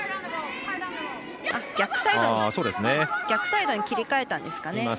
逆サイドに切り替えたんですね。